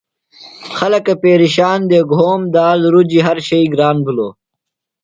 خلکہ پیرِشان دےۡ۔ گھوم دال رُجیۡ ہر شئی گران بِھلوۡ۔